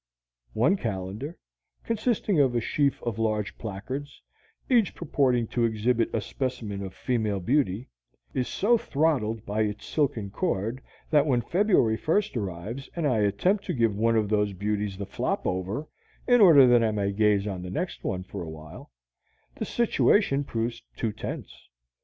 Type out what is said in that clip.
One calendar, consisting of a sheaf of large placards, each purporting to exhibit a specimen of female beauty, is so throttled by its silken cord that when February 1st arrives and I attempt to give one of the beauties the flop over in order that I may gaze on the next for a while, the situation proves too tense.